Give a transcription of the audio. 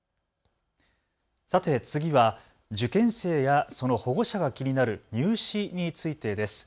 さて次は受験生やその保護者が気になる入試についてです。